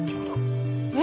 え？